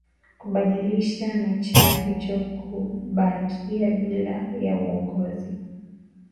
kubadilisha na chama hicho kubakia bila ya uongozi